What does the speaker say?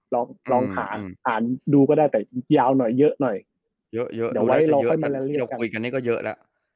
ลองหาอ่านดูก็ได้แต่ยาวหน่อยเยอะหน่อยเยอะดูได้จะเยอะแต่พูดกันเนี่ยก็เยอะแล้ว